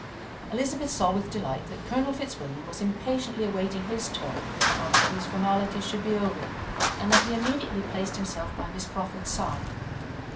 Elizabeth saw with delight that Colonel Fitzwilliam was impatiently awaiting his turn after these formalities should be over, and that he immediately placed himself by Miss Crawford's side.